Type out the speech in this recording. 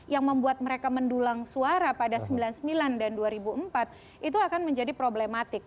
yang membuat mereka mendulang suara pada seribu sembilan ratus sembilan puluh sembilan dan dua ribu empat itu akan menjadi problematik